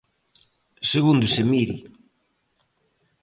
Segundo se mire.